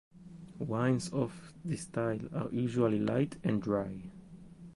Wines of this style are usually light and dry.